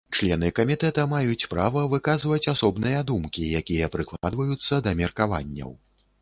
Члены камітэта маюць права выказваць асобныя думкі, якія прыкладваюцца да меркаванняў.